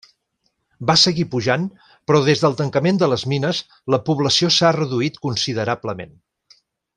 Va seguir pujant però des del tancament de les mines la població s'ha reduït considerablement.